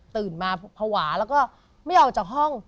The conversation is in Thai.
มาภาวะแล้วก็ไม่ออกจากห้อง